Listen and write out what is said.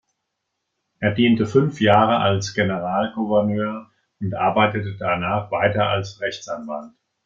Er diente fünf Jahre als Generalgouverneur und arbeitete danach weiter als Rechtsanwalt.